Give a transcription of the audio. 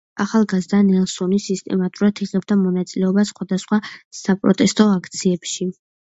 ახალგაზრდა ნელსონი სისტემატურად იღებდა მონაწილეობას სხვადასხვა საპროტესტო აქციებში.